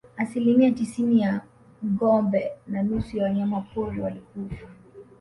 Asilimia tisini ya ngombe na nusu ya wanyama pori walikufa